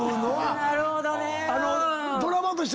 なるほどね！